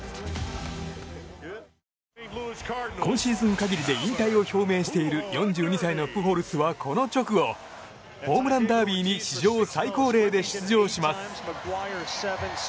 今シーズン限りで引退を表明している４２歳のプホルスは、この直後ホームランダービーに史上最高齢で出場します。